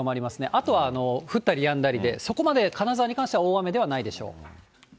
あとは降ったりやんだりで、そこまで金沢に関しては、大雨ではないでしょう。